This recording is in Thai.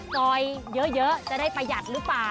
ซอยเยอะจะได้ประหยัดหรือเปล่า